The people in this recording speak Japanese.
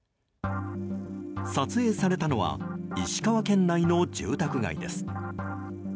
撮影されたのは石川県内の住宅街です。